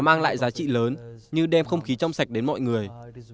mang lại giá trị lớn như đem không khí trong sạch đến mọi người